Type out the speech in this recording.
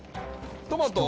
トマト？